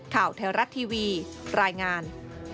ข่าวไทยรัฐทีวีรายงาน